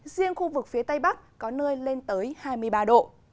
riêng khu vực phía tây bắc có nơi lên tới hai mươi ba độ